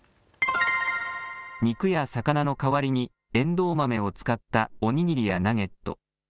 肉や魚の代わりにえんどう豆を使ったお握りやナゲット。